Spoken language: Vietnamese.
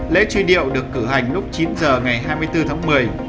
lễ truy điệu được cử hành lúc chín h ngày hai mươi bốn tháng một mươi